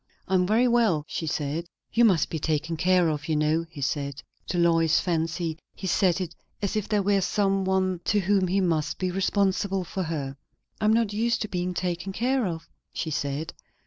"I am very well," she said. "You must be taken care of, you know," he said; to Lois's fancy he said it as if there were some one to whom he must be responsible for her. "I am not used to being taken care of," she said.